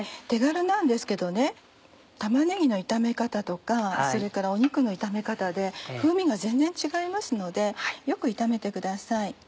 手軽なんですけど玉ねぎの炒め方とか肉の炒め方で風味が全然違いますのでよく炒めてください。